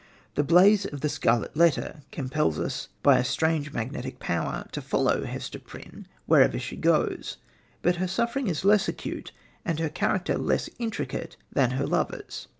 The blaze of the Scarlet Letter compels us by a strange magnetic power to follow Hester Prynne wherever she goes, but her suffering is less acute and her character less intricate than her lover's.